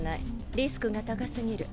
リスクがたかすぎる。